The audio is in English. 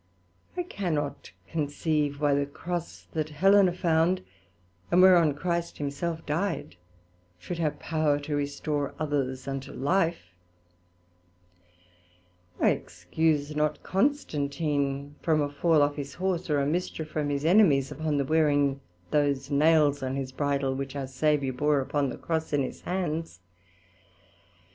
I cannot conceive why the Cross that Helena found, and whereon Christ himself dyed, should have power to restore others unto life: I excuse not Constantine from a fall off his Horse, or a mischief from his enemies, upon the wearing those nails on his bridle, which our Saviour bore upon the Cross in his hands.